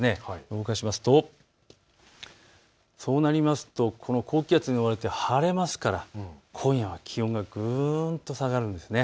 動かしますとこの高気圧に覆われて晴れますから今夜は気温がぐんと下がるんです。